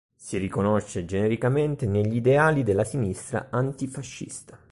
Si riconosce genericamente negli ideali della sinistra antifascista.